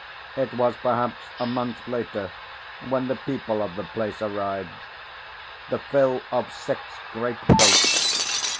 It was perhaps a month later, when the people of the place arrived—the fill of six great boats.